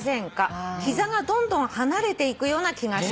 「膝がどんどん離れていくような気がします」